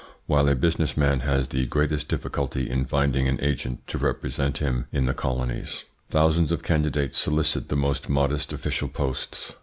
While a business man has the greatest difficulty in finding an agent to represent him in the colonies, thousands of candidates solicit the most modest official posts.